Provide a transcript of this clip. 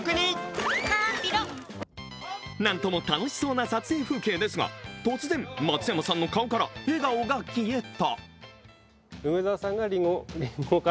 なんとも楽しそうな撮影風景ですが突然、松山さんの顔から笑顔が消えた。